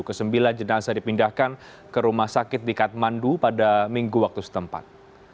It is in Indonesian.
kesembilan jenazah dipindahkan ke rumah sakit di kathmandu pada minggu waktu setempat